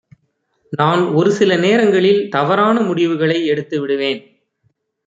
நான் ஒரு சில நேரங்களில் தவறான முடிவுகளை எடுத்து விடுவேன்.